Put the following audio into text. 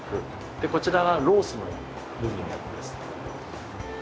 でこちらがロースの部分になります。